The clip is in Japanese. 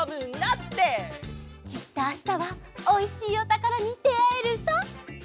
きっとあしたはおいしいおたからにであえるさ！